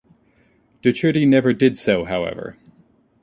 Docherty never did so, however.